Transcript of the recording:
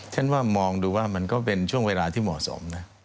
ฉันว่ามองดูว่ามันก็เป็นช่วงเวลาที่เหมาะสมนะ